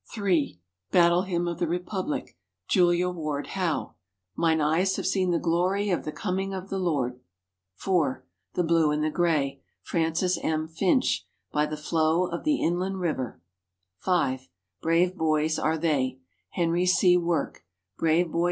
(3) Battle Hymn of the Republic. Julia Ward Howe. "Mine eyes have seen the glory of the coming of the Lord." (4) The Blue and the Gray. Francis M. Finch. "By the flow of the inland river." (5) Brave Boys Are They. Henry C. Work.